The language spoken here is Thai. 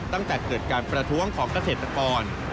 ตั้งแต่เกิดการประท้วงของเกษตรกร